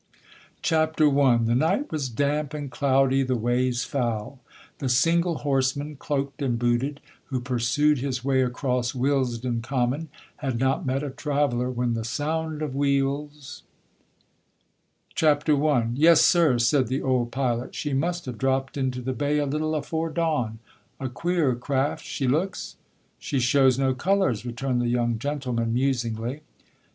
CHAPTER I The night was damp and cloudy, the ways foul. The single horseman, cloaked and booted, who pursued his way across Willesden Common, had not met a traveller, when the sound of wheels CHAPTER I 'Yes, sir,' said the old pilot, 'she must have dropped into the bay a little afore dawn. A queer craft she looks.' 'She shows no colours,' returned the young gentleman, musingly.